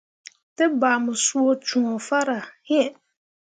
Te bah mu suu cõo farah hii.